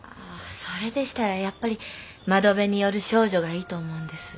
それでしたらやっぱり「窓辺に倚る少女」がいいと思うんです。